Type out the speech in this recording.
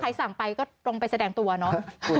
สั่งไปก็ตรงไปแสดงตัวเนอะ